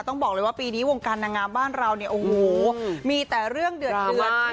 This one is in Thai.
ต้องบอกเลยว่าปีนี้วงการนางงามบ้านเราเนี่ยโอ้โหมีแต่เรื่องเดือด